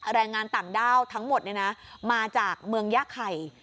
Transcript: แรงงานต่างด้าวทั้งหมดเนี่ยนะมาจากเมืองยะไข่